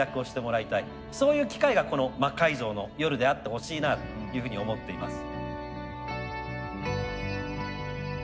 そういう機会がこの「魔改造の夜」であってほしいなというふうに思っています。